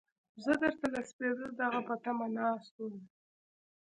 زه درته له سپېده داغه په تمه ناست وم.